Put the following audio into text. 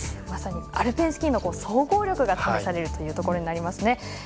まさにアルペンスキーの総合力が試されることになりますね。